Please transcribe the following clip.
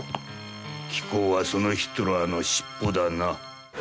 貴公はそのヒットラーの尻尾だな。